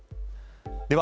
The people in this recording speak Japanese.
では